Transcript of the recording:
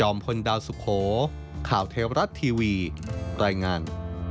หลายล้านคน